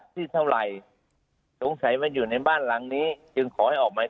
ที่เท่าไหร่สงสัยว่าอยู่ในบ้านหลังนี้จึงขอให้ออกหมาย